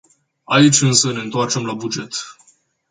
Aici însă ne întoarcem la buget.